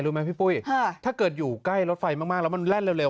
รู้ไหมพี่ปุ้ยถ้าเกิดอยู่ใกล้รถไฟมากแล้วมันแล่นเร็ว